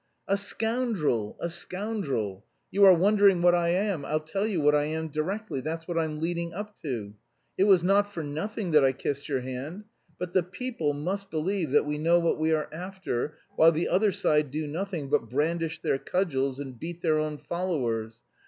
"A scoundrel, a scoundrel! You are wondering what I am. I'll tell you what I am directly, that's what I am leading up to. It was not for nothing that I kissed your hand. But the people must believe that we know what we are after, while the other side do nothing but 'brandish their cudgels and beat their own followers.'